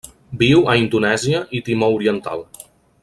Viu a Indonèsia i Timor Oriental.